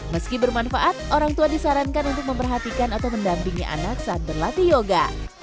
meski bermanfaat orang tua disarankan untuk memperhatikan atau mendampingi anak saat berlatih yoga